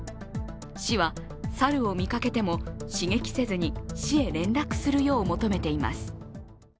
市は猿を見かけても、刺激せずに市へ連絡するよう求めています。